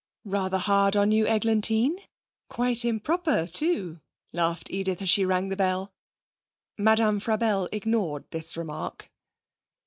'Rather hard on you, Eglantine; quite improper too,' laughed Edith as she rang the bell. Madame Frabelle ignored this remark.